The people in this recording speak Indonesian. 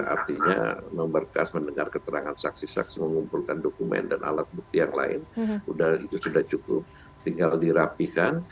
artinya memberkas mendengar keterangan saksi saksi mengumpulkan dokumen dan alat bukti yang lain itu sudah cukup tinggal dirapikan